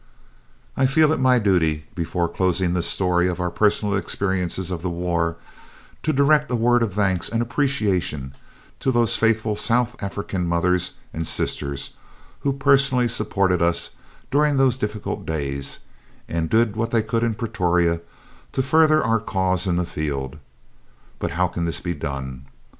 "I feel it my duty, before closing this story of our personal experiences of the war, to direct a word of thanks and appreciation to those faithful South African mothers and sisters who personally supported us during those difficult days and did what they could in Pretoria to further our cause in the field. But how can this be done?